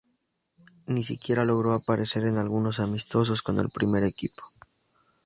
Ni siquiera logró aparecer en algunos amistosos con el primer equipo.